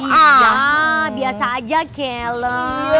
iya biasa aja kelo